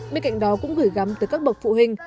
bên cạnh đó cũng gửi gắm tới các bậc phụ huynh